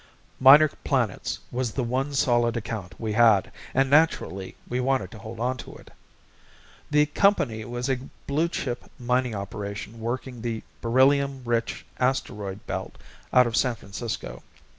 Minor Planets was the one solid account we had and naturally we wanted to hold on to it. The company was a blue chip mining operation working the beryllium rich asteroid belt out of San Francisco.